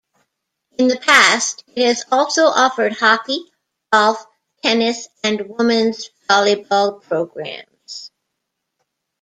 In the past, it has also offered hockey, golf, tennis, and women's volleyball programs.